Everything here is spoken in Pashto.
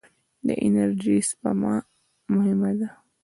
د انرژۍ سپما مهمه ده.